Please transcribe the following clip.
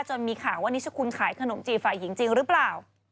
มีข่าวว่านิชคุณขายขนมจีบฝ่ายหญิงจริงหรือเปล่า